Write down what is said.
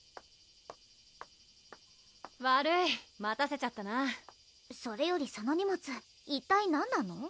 悪い待たせちゃったなそれよりその荷物一体何なの？